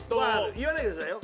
言わないでくださいよ。